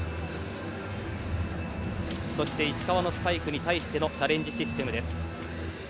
そして石川のスパイクに対してのチャレンジシステムです。